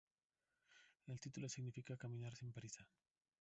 El título significa "caminar sin prisa".